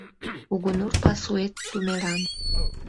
Кугунур пасуэт тумеран